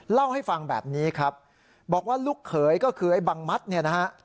เล่าให้ฟังแบบนี้ครับบอกว่าลูกเขยก็คือไอ้บังมัดเนี่ยนะฮะ